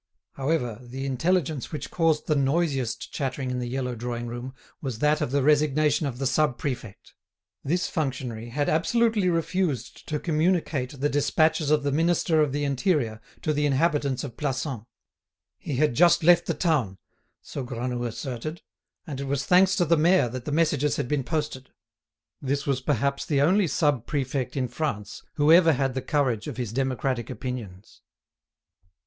However, the intelligence which caused the noisiest chattering in the yellow drawing room was that of the resignation of the sub prefect. This functionary had absolutely refused to communicate the despatches of the Minister of the Interior to the inhabitants of Plassans; he had just left the town, so Granoux asserted, and it was thanks to the mayor that the messages had been posted. This was perhaps the only sub prefect in France who ever had the courage of his democratic opinions.